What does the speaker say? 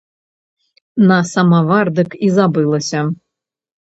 На самавар дык і забылася.